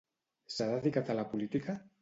S'ha dedicat a la política?